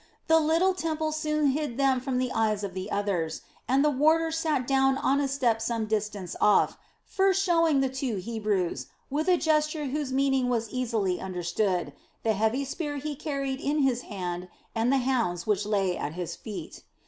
The little temple soon hid them from the eyes of the others, and the warder sat down on a step some distance off, first showing the two Hebrews, with a gesture whose meaning was easily understood, the heavy spear he carried in his hand and the hounds which lay at his feet.